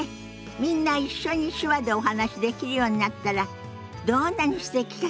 みんな一緒に手話でお話しできるようになったらどんなにすてきかしら。